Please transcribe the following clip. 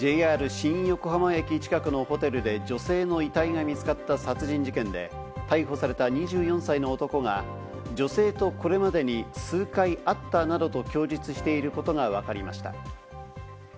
新横浜駅近くのホテルで女性の遺体が見つかった殺人事件で逮捕された２４歳の男が女性とこれまでに数回会ったなどと供述していることがわかりました。